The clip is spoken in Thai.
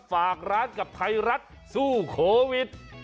ฝากร้านกับไทยรัฐสู้โควิด